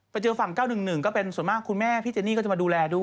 เจอฝั่ง๙๑๑ก็เป็นส่วนมากคุณแม่พี่เจนี่ก็จะมาดูแลด้วย